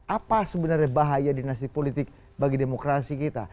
apa sebenarnya bahaya dinasti politik bagi demokrasi kita